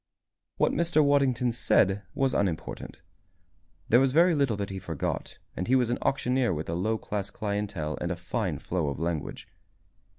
What Mr. Waddington said was unimportant. There was very little that he forgot and he was an auctioneer with a low class clientele and a fine flow of language.